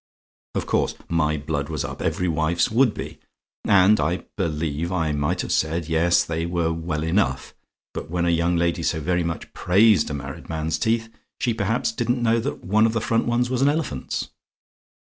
Of course my blood was up every wife's would be: and I believe I might have said, 'Yes, they were well enough; but when a young lady so very much praised a married man's teeth, she perhaps didn't know that one of the front ones was an elephant's.'